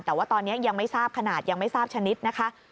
แต่ว่าตอนนี้ยังไม่ทราบขนาดยังไม่ทราบชนิดนะคะ